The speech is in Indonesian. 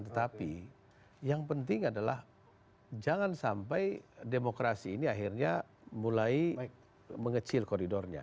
tetapi yang penting adalah jangan sampai demokrasi ini akhirnya mulai mengecil koridornya